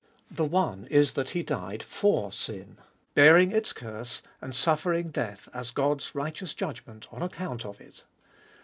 The one is that He died for sin, bearing its curse, and suffering death as God's righteous judgment on account of it.